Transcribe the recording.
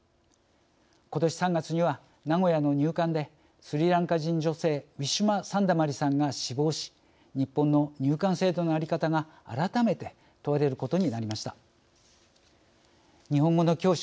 ことし３月には名古屋の入管でスリランカ人女性ウィシュマ・サンダマリさんが死亡し日本の入管制度のあり方が改めて問われることになりました。